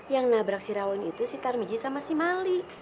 yang nabrak sirawan itu si tarmiji sama si mali